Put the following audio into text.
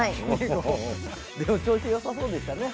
調子良さそうでしたね。